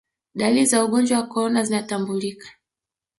dalili za ugonjwa wa korona zinatambulika